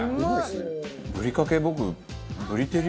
ぶりかけ僕。